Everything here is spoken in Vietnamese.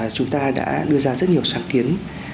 chúng ta đã đưa ra rất nhiều sáng kiến